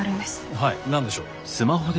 はい何でしょう？